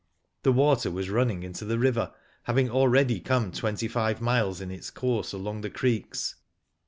The water was running into the river, having :already come twenty five miles in its course along the creeks.